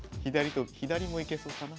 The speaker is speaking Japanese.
左もいけそうかな。